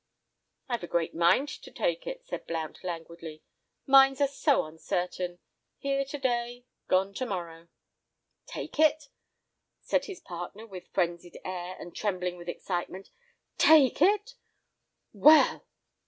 "I've a great mind to take it," said Blount languidly "—mines are so uncertain. Here to day, gone to morrow." "Take it?" said his partner, with frenzied air, and trembling with excitement, "take it! Well!"